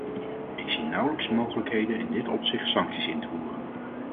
Ik zie nauwelijks mogelijkheden in dit opzicht sancties in te voeren.